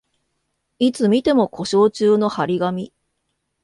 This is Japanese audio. いつ見ても故障中の張り紙